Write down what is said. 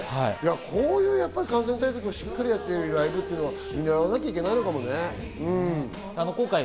こういう感染対策をしっかりやってるライブっていうのを分かっておかなきゃいけないかもしれないね。